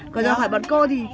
còn rồi hỏi bọn cô thì